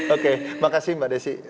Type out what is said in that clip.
oke makasih mbak desi